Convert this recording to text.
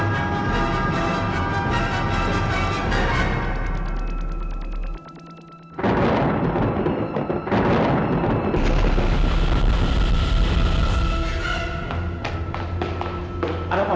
semuanya sudah beres pak